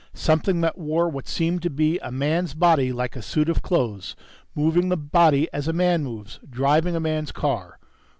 _ Something that wore what seemed to be a man's body like a suit of clothes, moving the body as a man moves, driving a man's car